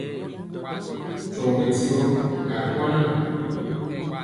Nkyɔgi mɛdivɔ aa ri nkwaaŋ jɛn.